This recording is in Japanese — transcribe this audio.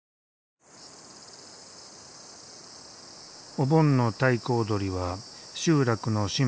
お盆の太鼓踊りは集落の神仏に祈る。